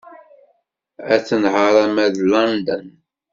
Ad tenheṛ arma d London.